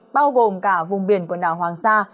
bao gồm cả vùng biển quần đảo hoàng sa